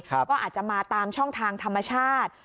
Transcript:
ก็อาจจะมาตามช่องทางธรรมชาติ